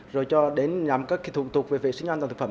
rồi cho đến nhằm các thủng thuộc về vệ sinh an toàn thực phẩm